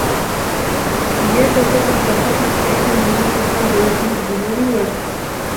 إيَّاكَ وَكَثْرَةَ الضَّحِكِ فَإِنَّهُ يُمِيتُ الْقَلْبَ وَيُذْهِبُ بِنُورِ الْوَجْهِ